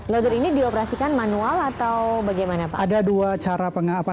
loader ini dioperasikan manual atau bagaimana pak